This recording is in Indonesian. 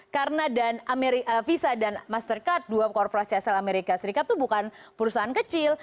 karena visa dan mastercard dua korporasi asal amerika serikat itu bukan perusahaan kecil